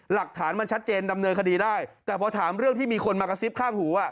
หลักฐานมันชัดเจนดำเนินคดีได้แต่พอถามเรื่องที่มีคนมากระซิบข้างหูอ่ะ